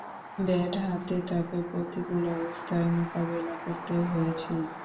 Bat হাতে তাকে প্রতিকূল অবস্থায় মোকাবেলা করতে হয়েছিল।